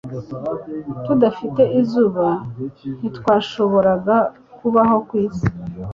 Tudafite izuba, ntitwashoboraga kubaho ku isi.